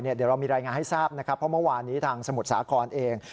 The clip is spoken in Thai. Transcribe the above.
เดี๋ยวเรามีรายงานให้ทราบนะครับเพราะเมื่อวานนี้ทางสมุทรสาครเอง